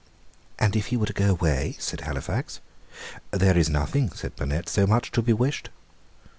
"And if he were to go away?" said Halifax. "There is nothing," said Burnet, "so much to be wished."